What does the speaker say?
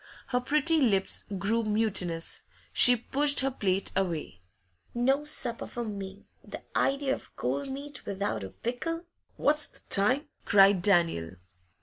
Her pretty lips grew mutinous; she pushed her plate away. 'No supper for me! The idea of cold meat without a pickle.' 'What's the time?' cried Daniel.